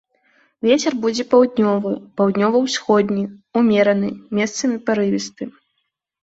Вецер будзе паўднёвы, паўднёва-ўсходні, умераны, месцамі парывісты.